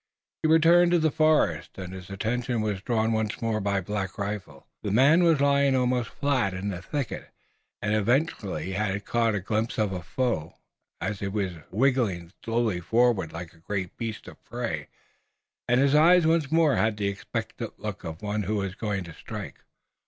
He returned to the forest, and his attention was drawn once more by Black Rifle. The man was lying almost flat in the thicket, and evidently he had caught a glimpse of a foe, as he was writhing slowly forward like a great beast of prey, and his eyes once more had the expectant look of one who is going to strike.